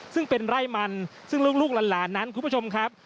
ซึ่งเป็นไร่มันซึ่งลูกหลานนั้นคุณผู้ชมครับ